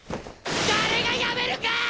誰がやめるかあ！